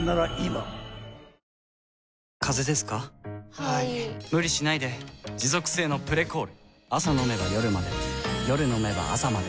はい・・・無理しないで持続性の「プレコール」朝飲めば夜まで夜飲めば朝まで